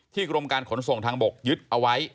กรมการขนส่งทางบกยึดเอาไว้